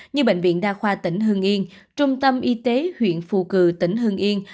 như bệnh viện đa khoa tỉnh hương yên trung tâm y tế huyện phù cử tỉnh hương yên